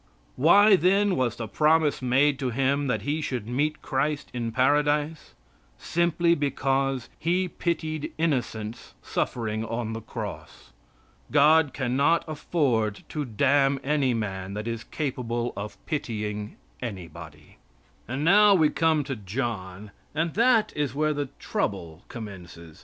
Why, then, was the promise made to him that he should meet Christ in Paradise. Simply because he pitied innocence suffering on the cross. God cannot afford to damn any man that is capable of pitying anybody. And now we come to John, and that is where the trouble commences.